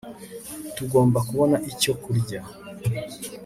tugomba kubona icyo kurya